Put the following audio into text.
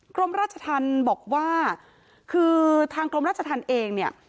กรมราชธรรมบอกว่าคือทางกรมราชธรรมเองเนี่ย